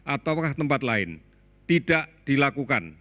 atau tempat lain tidak dilakukan